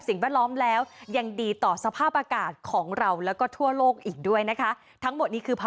สวัสดีครับ